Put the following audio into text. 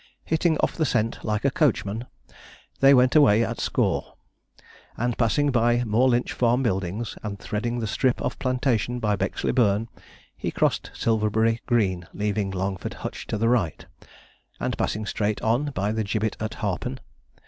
Hitting off the scent like a coachman, they went away again at score, and passing by Moorlinch Farm buildings, and threading the strip of plantation by Bexley Burn, he crossed Silverbury Green, leaving Longford Hutch to the right, and passing straight on by the gibbet at Harpen.